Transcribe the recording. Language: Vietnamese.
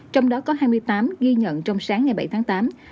trong đó có hai mươi tám ghi nhận trong sáng ngày bảy tháng tám